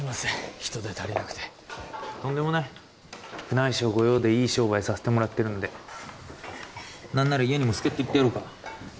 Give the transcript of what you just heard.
人手足りなくてとんでもない宮内省御用でいい商売させてもらってるんで何なら家にも助っ人行ってやろうか？